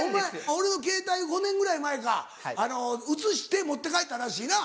俺のケータイ５年ぐらい前か写して持って帰ったらしいな。